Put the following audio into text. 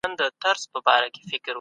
د سياستپوهني څانګي سره ونښلوئ.